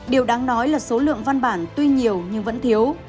điều đáng nói là số lượng văn bản tuy nhiều nhưng vẫn thiếu